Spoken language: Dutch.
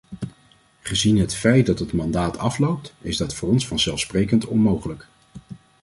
Gezien het feit dat het mandaat afloopt, is dat voor ons vanzelfsprekend onmogelijk.